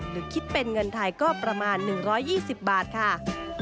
หรือคิดเป็นเงินไทยก็ประมาณ๑๒๐บาทค่ะ